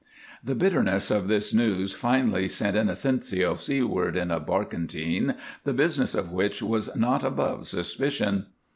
The bitterness of this news finally sent Inocencio seaward in a barkentine, the business of which was not above suspicion.